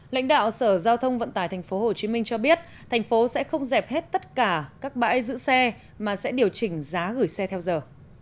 lãnh đạo sở giao thông vận tải tp hcm cho biết thành phố sẽ không dẹp hết tất cả các bãi giữ xe mà sẽ điều chỉnh giá gửi xe theo giờ